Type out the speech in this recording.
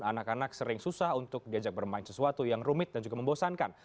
anak anak sering susah untuk diajak bermain sesuatu yang rumit dan juga membosankan